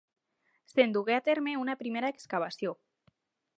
Se'n dugué a terme una primera excavació.